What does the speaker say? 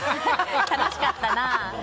楽しかったな。